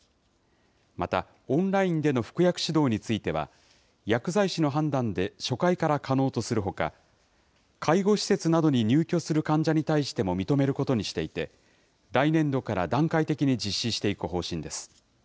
また、オンラインでの服薬指導については、薬剤師の判断で初回から可能とするほか、介護施設などに入居する患者に対しても認めることにしていて、来年度から段階的に実施していく方針です。